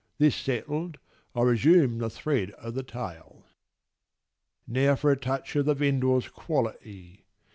This settled, I resume the thread o' the tale. Now for a touch o' the vendor's quality.